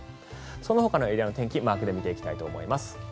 そのほかのエリアの天気マークで見ていきたいと思います。